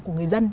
của người dân